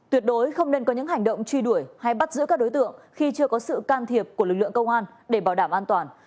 tuyệt đối không nên có những hành động truy đuổi hay bắt giữ các đối tượng khi chưa có sự can thiệp của lực lượng công an để bảo đảm an toàn